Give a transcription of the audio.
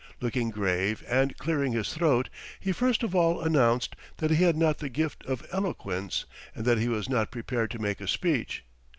Looking grave and clearing his throat, he first of all announced that he had not the gift of eloquence and that he was not prepared to make a speech.